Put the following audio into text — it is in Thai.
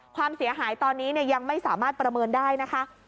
ความเสียหายตอนนี้ยังไม่สามารถประเมินได้นะคะ